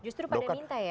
justru pada minta ya